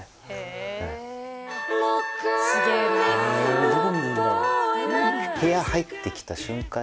えどこ見るんだろう？